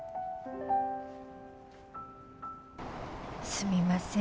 すみません。